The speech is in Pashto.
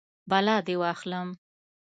بلا دې واخلم.